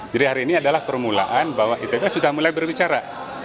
jadi hari ini adalah permulaan bahwa itb sudah mulai berbicara